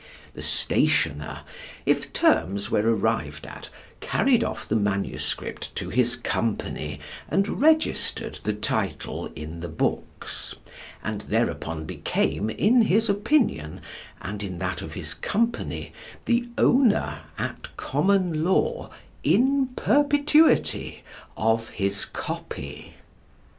The stationer, if terms were arrived at, carried off the manuscript to his Company and registered the title in the books, and thereupon became, in his opinion, and in that of his Company, the owner, at common law, in perpetuity of his 'copy.'